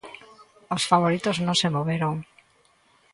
Os favoritos non se moveron.